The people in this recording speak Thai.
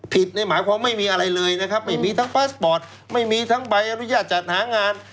ในหมายความไม่มีอะไรเลยนะครับไม่มีทั้งพาสปอร์ตไม่มีทั้งใบอนุญาตจัดหางาน